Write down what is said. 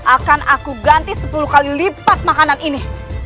akan aku ganti sepuluh kali lipat makanan ini